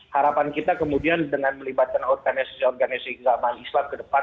harapan kita kemudian dengan melibatkan organisasi organisasi keagamaan islam ke depan